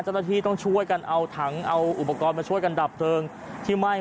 เจ้าหน้าที่ต้องช่วยกันเอาถังเอาอุปกรณ์มาช่วยกันดับเพลิงที่ไหม้